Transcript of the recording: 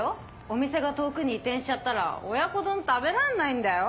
お店が遠くに移転しちゃったら親子丼食べらんないんだよ？